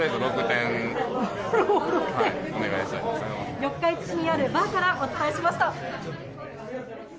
四日市市にあるバーからお伝えしました。